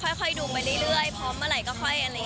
ก็ค่อยดูไปเรื่อยพร้อมเมื่อไหร่ก็ค่อย